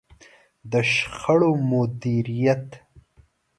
د شخړو مديريت.